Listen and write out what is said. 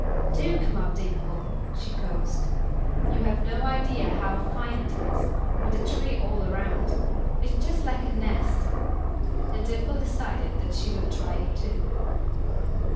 "Do come up, Dimple," she coaxed. "You've no idea how fine it is, with the tree all around. It's just like a nest," and Dimple decided that she would try it too.